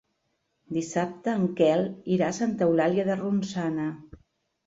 Dissabte en Quel irà a Santa Eulàlia de Ronçana.